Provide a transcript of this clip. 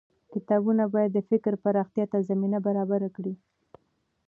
کتابونه بايد د فکر پراختيا ته زمينه برابره کړي.